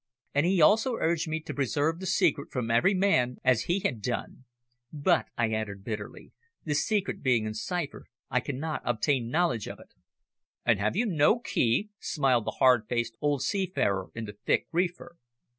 "and he also urged me to preserve the secret from every man as he had done. But," I added bitterly, "the secret being in cipher I cannot obtain knowledge of it." "And have you no key?" smiled the hard faced old seafarer in the thick reefer.